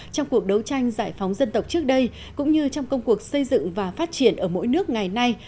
trong cuộc đấu tranh giải phóng dân tộc trước đây cũng như trong công cuộc xây dựng và phát triển ở mỗi nước ngày nay